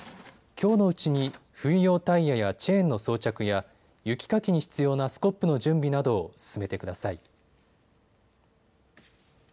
きょうのうちに冬用タイヤやチェーンの装着や雪かきに必要なスコップの準備などを進めてください。